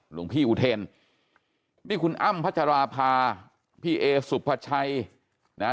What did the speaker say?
หลวงพี่อุเทนนี่คุณอ้ำพัชราภาพี่เอสุภาชัยนะฮะ